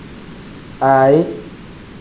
Aayi.